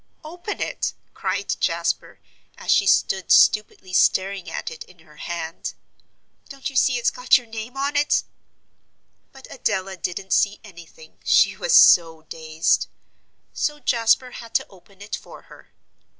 "Open it," cried Jasper, as she stood stupidly staring at it, in her hand. "Don't you see it's got your name on it?" But Adela didn't see anything, she was so dazed. So Jasper had to open it for her.